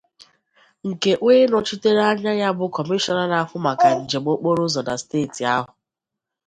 nke onye nọchitere anya ya bụ Kọmishọna na-ahụ maka njem okporo ụzọ na steeti ahụ